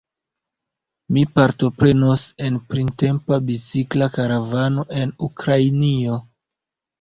Mi partoprenos en printempa bicikla karavano en Ukrainio.